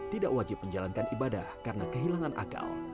tidak wajib menjalankan ibadah karena kehilangan akal